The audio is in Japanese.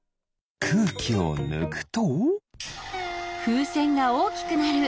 くうきをぬくと？